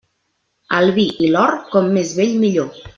El vi i l'or, com més vell millor.